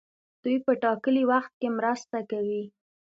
دوی په ټاکلي وخت کې مرسته کوي.